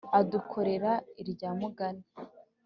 Adukorera irya mugani